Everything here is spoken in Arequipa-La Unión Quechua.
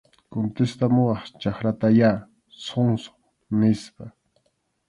Contestamuwaq chakratayá, zonzo, nispa.